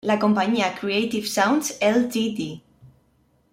La compañía Creative Sounds, Ltd.